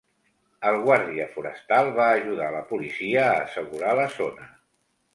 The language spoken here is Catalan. El guàrdia forestal va ajudar a la policia a assegurar la zona.